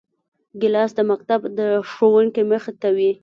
ګیلاس د مکتب د ښوونکي مخې ته وي.